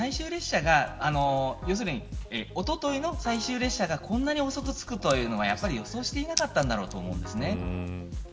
おとといの最終列車がこんなに遅く着くというのは予想していなかったんだと思います。